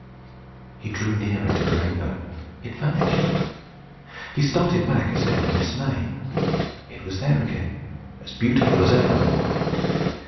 He drew nearer to the rainbow. It vanished. He started back a step in dismay. It was there again, as beautiful as ever.